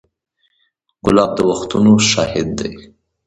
ګلاب د وختونو شاهد دی.